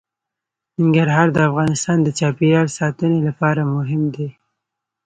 ننګرهار د افغانستان د چاپیریال ساتنې لپاره مهم دي.